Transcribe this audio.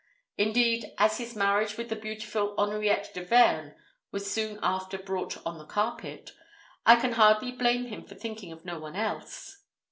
Indeed, as his marriage with the beautiful Henriette de Vergne was soon after brought on the carpet, I can hardly blame him for thinking of no one else.